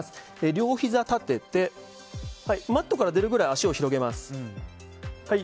両ひざを立ててマットから出るぐらい足を広げます。